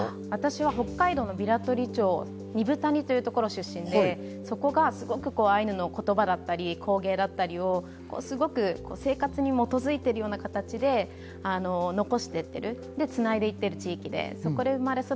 北海道の平取町二風谷というところ出身で、そこがすごくアイヌの言葉だったり工芸だったりを生活に基づいているような形で残していっています、つないでいる地域で。